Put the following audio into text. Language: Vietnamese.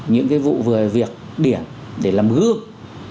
những cái vụ vừa việc điểm để làm gương